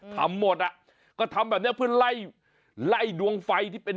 ทำหมดอ่ะก็ทำแบบเนี้ยเพื่อไล่ไล่ดวงไฟที่เป็น